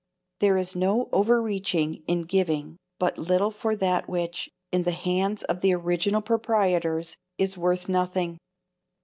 There is no overreaching in giving but little for that which, in the hands of the original proprietors, is worth nothing."